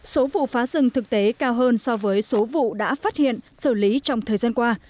số vụ phá rừng thực tế cao hơn so với số vụ đã phát hiện xử lý trong thời gian qua